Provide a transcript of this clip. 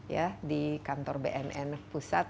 ya di kantor bnn pusat